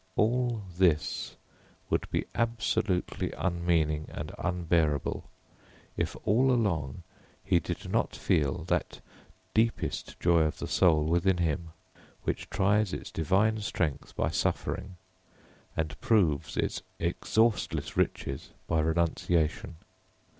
All this would be absolutely unmeaning and unbearable if all along he did not feel that deepest joy of the soul within him, which tries its divine strength by suffering and proves its exhaustless riches by renunciation.